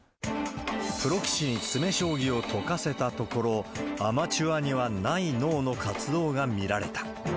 プロ棋士に詰め将棋を解かせたところ、アマチュアにはない脳の活動が見られた。